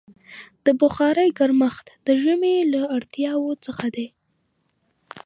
د بخارۍ ګرمښت د ژمي له اړتیاوو څخه دی.